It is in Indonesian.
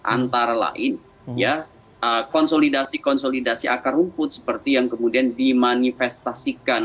antara lain ya konsolidasi konsolidasi akar rumput seperti yang kemudian dimanifestasikan